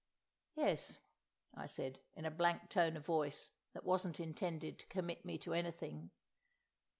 "Yes," I said, in a blank tone of voice that wasn't intended to commit me to anything.